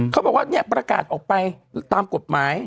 เขาบอกว่าเนี่ยประกาศออกไปตามกฎหมาย